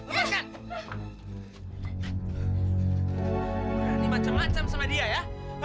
ini macam macam sama dia ya